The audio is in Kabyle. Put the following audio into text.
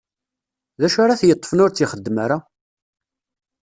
D acu ara t-yeṭṭfen ur tt-ixeddem ara?